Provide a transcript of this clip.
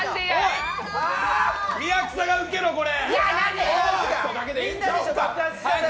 宮草が受けろ、これ！